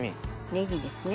ネギですね。